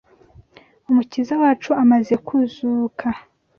Umukiza wacu amaze kuzuka